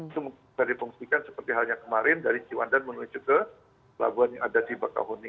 itu bisa dipungkinkan seperti halnya kemarin dari jiwandan menuju ke pelabuhan yang ada di pekauhuni